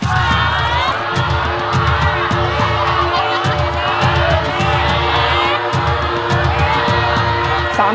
๓ครับ